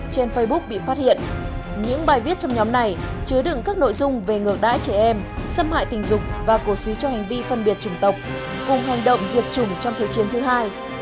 trên facebook bị phát hiện những bài viết trong nhóm này chứa đựng các nội dung về ngược đãi trẻ em xâm hại tình dục và cổ suý cho hành vi phân biệt chủng tộc cùng hành động diệt chủng trong thế chiến thứ hai